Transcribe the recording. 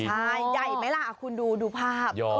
ใช่ใหญ่ไหมล่ะคุณดูภาพ